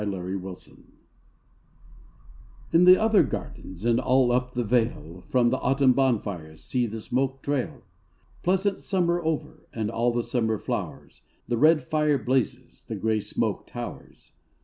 AUTUMN FIRES In the other gardens And all up the vale From the autumn bonfires See the smoke trail! Pleasant summer over And all the summer flowers; The red fire blazes, The gray smoke towers.